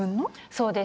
そうです。